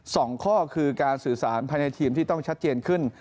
สองข้อคือการสื่อสารภายในทีมที่ต้องชัดเจนขึ้น